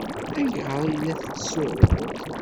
Ayɣer ay la tettsuɣuḍ!